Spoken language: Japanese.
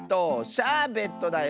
「シャーベット」だよ！